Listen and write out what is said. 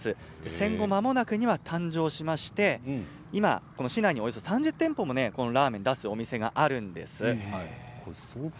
戦後まもなくに誕生しまして今、市内におよそ３０店舗もこのラーメンを出すお店があるんです。